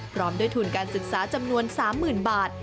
พร้อมด้วยทุนการศึกษาจำนวน๓๐๐๐บาท